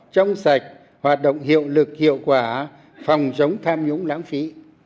trong sạch hoạt động hiệu lực hiệu quả phòng chống tham nhũng lãng phí